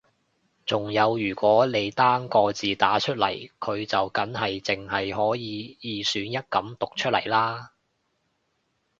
仲有如果你單個字打出嚟佢就梗係淨係可以二選一噉讀出嚟啦